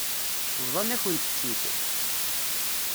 Bḍan-akent-tt-id.